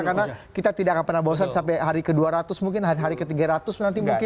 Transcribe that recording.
karena kita tidak akan pernah bosan sampai hari ke dua ratus mungkin hari ke tiga ratus mungkin